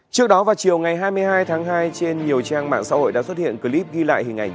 trước đó vào chiều ngày hai mươi hai tháng hai trên nhiều trang mạng xã hội đã xuất hiện clip ghi lại hình ảnh